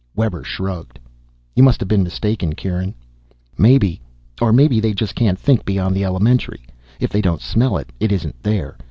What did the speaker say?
Webber shrugged. "You must have been mistaken, Kieran." "Maybe. Or maybe they just can't think beyond the elementary. If they don't smell it, it isn't there.